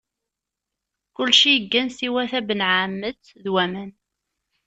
Kulci yeggan siwa tabenɛammet d waman.